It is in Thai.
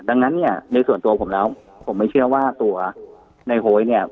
ดังนั้นเนี่ยในส่วนตัวผมแล้วผมไม่เชื่อว่าตัวในโหยเนี่ย